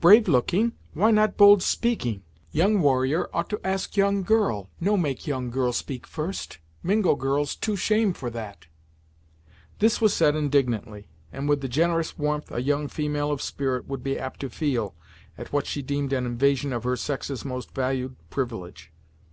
Brave looking why not bold speaking? Young warrior ought to ask young girl, no make young girl speak first. Mingo girls too shame for that." This was said indignantly, and with the generous warmth a young female of spirit would be apt to feel, at what she deemed an invasion of her sex's most valued privilege.